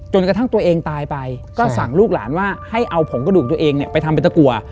กระทั่งตัวเองตายไปก็สั่งลูกหลานว่าให้เอาผงกระดูกตัวเองเนี่ยไปทำเป็นตะกัว